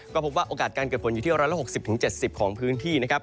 ก็พบว่าโอกาสการเกิดฝนอยู่ที่๑๖๐๗๐ของพื้นที่นะครับ